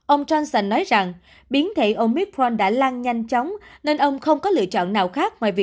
ông johnson nói rằng biến thể omithron đã lan nhanh chóng nên ông không có lựa chọn nào khác ngoài việc